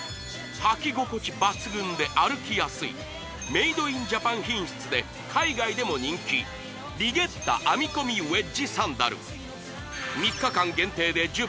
履き心地抜群で歩きやすいメイドインジャパン品質で海外でも人気リゲッタ編み込みウェッジサンダル３日間限定で